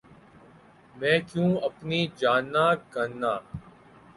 مَیں کیوں اپنی جاننا گننا